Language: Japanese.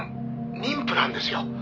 妊婦なんですよ」